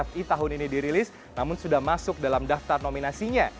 fi tahun ini dirilis namun sudah masuk dalam daftar nominasinya